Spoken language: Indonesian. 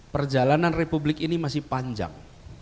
perjalanan republik ini masih panjang